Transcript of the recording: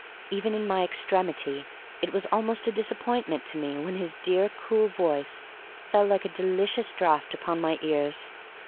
Even in my extremity it was almost a disappointment to me when his dear, cool voice fell like a delicious draught upon my ears.